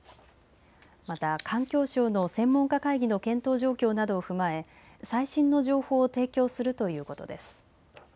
また、環境省の専門家会議の検討状況などを踏まえ最新の情報を提供するということです。